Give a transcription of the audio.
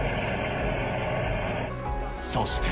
そして。